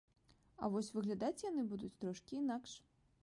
А вось выглядаць яны будуць трохі інакш.